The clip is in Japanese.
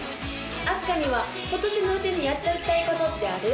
あすかには今年のうちにやっておきたいことってある？